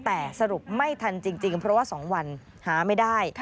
แต่สรุปไม่ทันจริงเพราะว่า๒วันหาไม่ได้